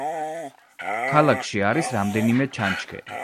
ქალაქში არის რამდენიმე ჩანჩქერი.